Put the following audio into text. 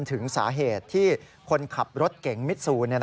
ถึงสาเหตุที่คนขับรถเก่งมิดซู